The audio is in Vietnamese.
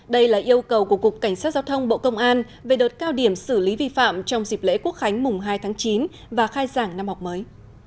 đây là yêu cầu của cục cảnh sát giao thông bộ công an về đợt cao điểm xử lý vi phạm trong dịp lễ quốc khánh mùng hai tháng chín và khai giảng năm học mới